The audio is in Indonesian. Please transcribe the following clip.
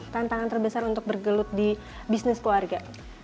tantangan terbesar untuk bergelut di bisnis keluarga